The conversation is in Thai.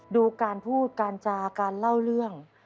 ดูการพูดการจาการเล่าเรื่อง